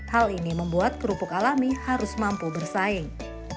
hal ini membuat kerupuk alami harus mampu bersaing